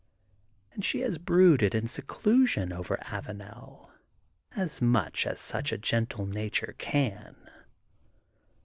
And she has brooded in seclusion over Avanel as much as such a gentle nature can.